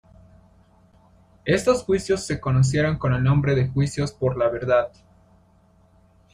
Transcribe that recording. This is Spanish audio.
Estos juicios se conocieron con el nombre de juicios por la verdad.